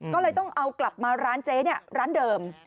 ก็เลยต้องเอากลับมาร้านเจ๊ร้านเดิม